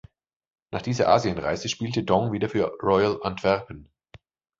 Nach dieser Asien-Reise spielte Dong wieder für Royal Antwerpen.